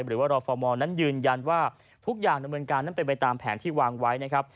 หรือว่ารฟมนั้นยืนยันว่าทุกอย่างดำเนินการนั้นเป็นไปตามแผนที่วางไว้นะครับ